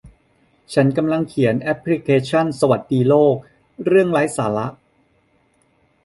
ฉันกำลังเขียนแอพพลิเคชั่น สวัสดีโลก เรื่องไร้สาระ